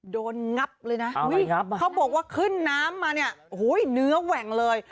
โดนงับเลยนะเขาบอกว่าขึ้นน้ำมาเนื้อแหว่งเลย